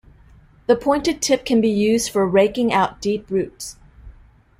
The pointed tip can be used for raking out deep roots.